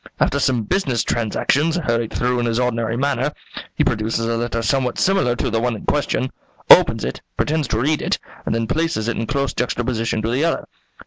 After some business transactions, hurried through in his ordinary manner, he produces a letter somewhat similar to the one in question, opens it, pretends to read it, and then places it in close juxtaposition to the other.